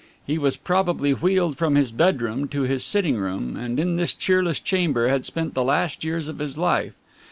He was probably wheeled from his bedroom to his sitting room, and in this cheerless chamber had spent the last years of his life.